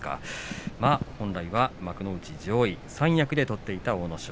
本来、幕内上位三役で取っていた阿武咲。